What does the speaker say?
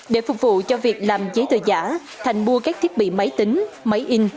để phục vụ cho việc làm giấy tờ giả thành mua các thiết bị máy tính máy in